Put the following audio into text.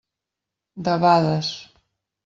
Debades.